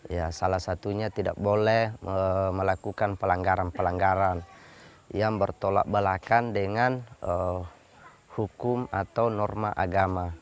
ya salah satunya tidak boleh melakukan pelanggaran pelanggaran yang bertolak belakang dengan hukum atau norma agama